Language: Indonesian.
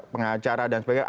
pengacara dan sebagainya